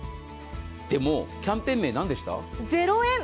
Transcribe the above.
でもキャンペーン名、何でした？